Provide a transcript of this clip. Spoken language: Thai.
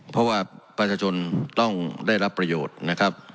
เพราะว่าประชาชนต้องได้รับประโยชน์นะครับ